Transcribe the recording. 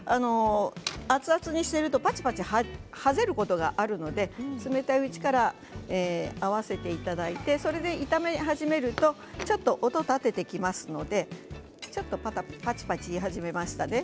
熱々にしているとぱちぱち、はぜることがあるので冷たいうちから合わせていただいてそれで炒め始めるとちょっと音を立てていきますのでちょっとパチパチいい始めましたね。